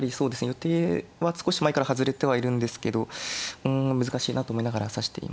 予定は少し前から外れてはいるんですけどうん難しいなと思いながら指していました。